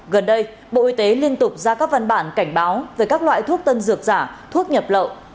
gần đây bộ y tế liên tục ra các văn bản cảnh báo về các loại thuốc tân dược giả thuốc nhập lậu